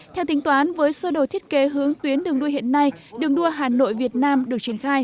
theo tính toán với sơ đồ thiết kế hướng tuyến đường đua hiện nay đường đua hà nội việt nam được triển khai